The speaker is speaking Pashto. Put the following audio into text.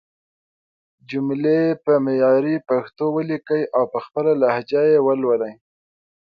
جملې په معياري پښتو وليکئ او په خپله لهجه يې ولولئ!